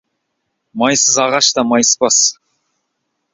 Майсыз ағаш та майыспас.